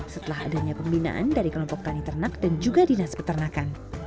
setelah adanya pembinaan dari kelompok tani ternak dan juga dinas peternakan